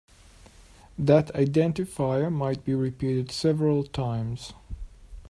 That identifier might be repeated several times.